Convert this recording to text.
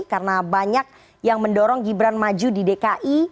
karena banyak yang mendorong gibran maju di dki